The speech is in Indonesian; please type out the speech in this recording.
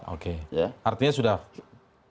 oke artinya sudah prosedur